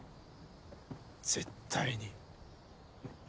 絶対に。